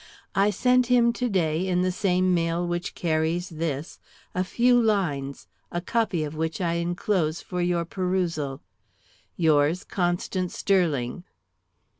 I send him to day, in the same mail which carries this, a few lines, a copy of which I inclose for your perusal. Yours, CONSTANCE STERLING.